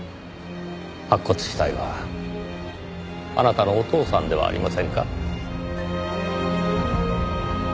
白骨死体はあなたのお父さんではありませんか？